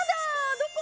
どこ？